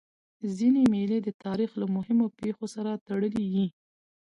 ځيني مېلې د تاریخ له مهمو پېښو سره تړلي يي.